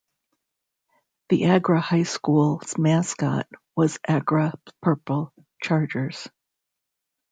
The Agra High School mascot was Agra Purple Chargers.